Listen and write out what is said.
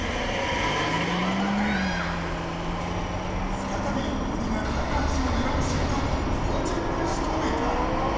再び鬼が高橋を狙う瞬間をフワちゃんがしとめた。